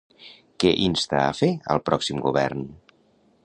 Què insta a fer al pròxim govern?